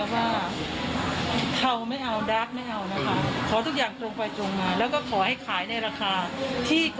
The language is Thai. โอเคค่าพรีเซ็นเตอร์มันมีแหละไม่ได้มากหรอก